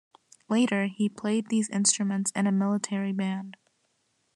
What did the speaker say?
Later he played these instruments in a military band.